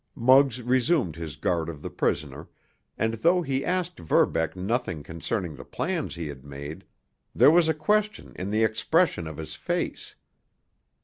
Muggs resumed his guard of the prisoner, and, though he asked Verbeck nothing concerning the plans he had made, there was a question in the expression of his face.